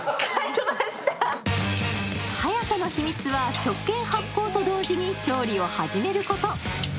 速さの秘密は、食券発行と同時に調理を始めること。